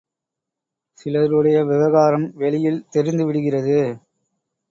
சிலருடைய விவகாரம் வெளியில் தெரிந்து விடுகிறது.